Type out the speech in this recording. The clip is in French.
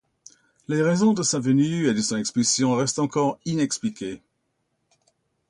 Les raisons de sa venue et de son expulsion restent encore inexpliquées.